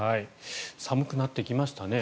寒くなってきましたね。